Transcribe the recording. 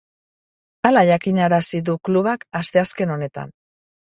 Hala jakinarazi du klubak asteazken honetan.